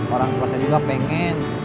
orang tua saya juga pengen